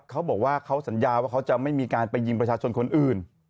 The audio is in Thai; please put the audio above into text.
เขาบอกว่าเขาสัญญาว่าเขาจะไม่มีการไปยิงประชาชนคนอื่น